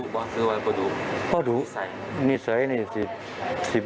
ก็เลยปิดประตูแบบไม่สนิท